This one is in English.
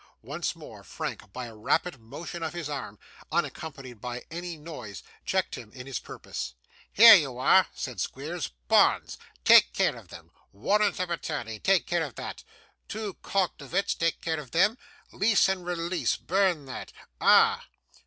Once more, Frank, by a rapid motion of his arm, unaccompanied by any noise, checked him in his purpose. 'Here you are,' said Squeers, 'bonds take care of them. Warrant of attorney take care of that. Two cognovits take care of them. Lease and release burn that. Ah!